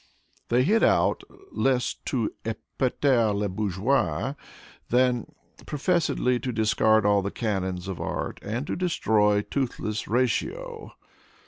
They hit out less to epater le bourgeois than professedly to discard all the canons of art and to destroy toothless Ratio.